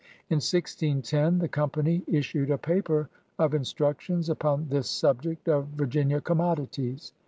In 1610 the Company issued a paper of instruc tions upon this subject of Virginia commodities.